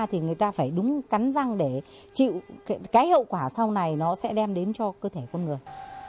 thì người ta phải đúng cắn răng để chịu cái hậu quả sau này nó sẽ đem đến cho cơ thể con người